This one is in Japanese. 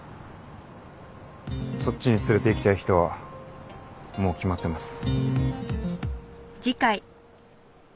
そっちに連れていきたい人はもう決まってます。